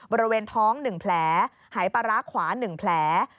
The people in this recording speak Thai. บริเวณท้องหนึ่งแผลหายประละขวาหนึ่งแผล